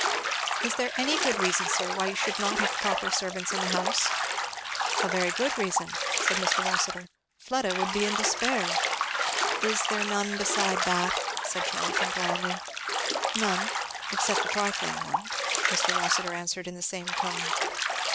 "Is there any good reason, sir, why you should not have proper servants in the house?" "A very good reason," said Mr. Rossitur. "Fleda would be in despair." "Is there none beside that?" said Charlton dryly. "None except a trifling one," Mr. Rossitur answered in the same tone.